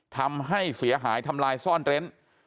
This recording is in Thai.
ทำให้เสียหายทำลายซ่อนเร้น